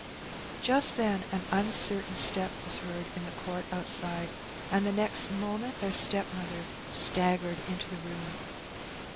*' Just then an uncertain step was heard in the court outside, and the next moment their stepmother staggered into the room.